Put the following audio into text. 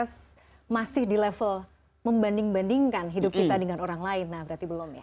jadi kalau kita masih di level membanding bandingkan hidup kita dengan orang lain nah berarti belum ya